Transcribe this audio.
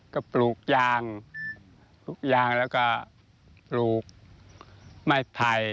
ถ้าปลูกยางแล้วก็ปลูกใบไผ่